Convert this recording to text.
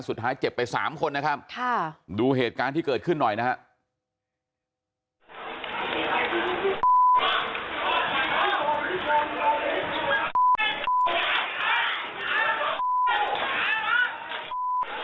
เจ็บไป๓คนนะครับดูเหตุการณ์ที่เกิดขึ้นหน่อยนะครับ